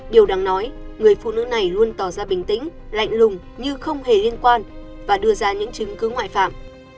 điều đáng nói người phụ nữ này luôn tỏ ra bình tĩnh lạnh lùng như không hề liên quan và đưa ra những chứng cứ ngoại phạm